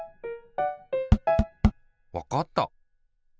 わかった！